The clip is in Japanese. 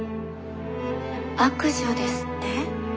悪女ですって？